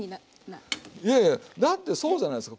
いやいやだってそうじゃないですか。